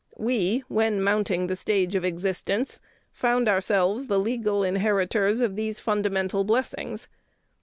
We, when mounting the stage of existence, found ourselves the legal inheritors of these fundamental blessings.